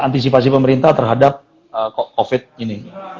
antisipasi pemerintah terhadap covid ini